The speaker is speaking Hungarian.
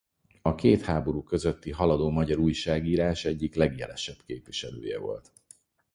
A két háború közötti haladó magyar újságírás egyik legjelesebb képviselője volt.